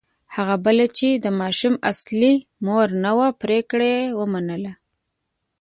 هغه بله چې د ماشوم اصلي مور نه وه پرېکړه یې ومنله.